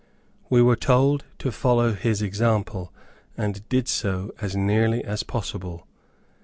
We were told to follow his example, and did so, as nearly as possible.